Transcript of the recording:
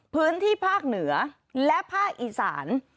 พื้นที่ภาคเหนือและภาคอีสาน